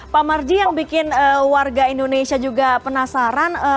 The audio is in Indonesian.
pak marji yang bikin warga indonesia juga penasaran